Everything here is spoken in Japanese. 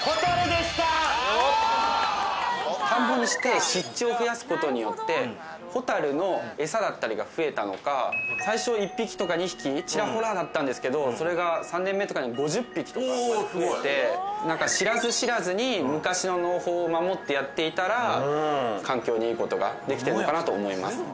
田んぼにして湿地を増やすことによってホタルの餌だったりが増えたのか最初１匹とか２匹ちらほらだったんですけどそれが３年目とかに５０匹とかまで増えて知らず知らずに昔の農法を守ってやっていたら環境にいいことができてるのかなと思います